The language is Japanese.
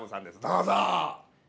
どうぞ。